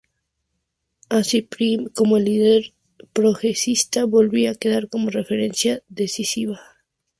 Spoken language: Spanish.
Así Prim, como el líder progresista, volvía a quedar como referencia decisiva.